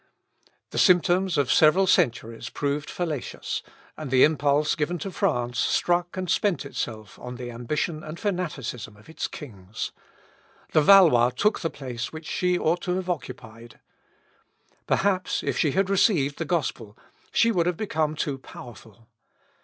The symptoms of several centuries proved fallacious, and the impulse given to France struck and spent itself on the ambition and fanaticism of its kings. The Valois took the place which she ought to have occupied. Perhaps, if she had received the gospel, she would have become too powerful.